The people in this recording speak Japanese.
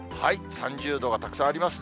３０度がたくさんありますね。